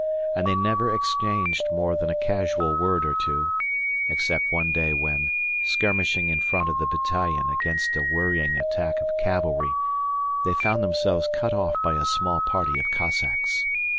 And they never exchanged more than a casual word or two, except one day when, skirmishing in front of the battalion against a worrying attack of cavalry, they found themselves cut off by a small party of Cossacks.